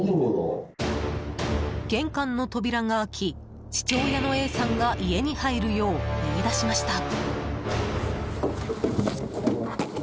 玄関の扉が開き父親のＡさんが家に入るよう言い出しました。